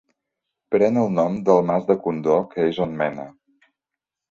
Pren el nom del Mas de Condó, que és on mena.